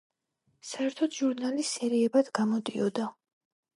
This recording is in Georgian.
საერთოდ ჟურნალი სერიებად გამოდიოდა.